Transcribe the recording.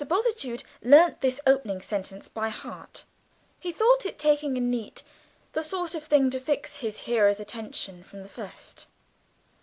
Bultitude learned this opening sentence by heart, he thought it taking and neat, the sort of thing to fix his hearer's attention from the first.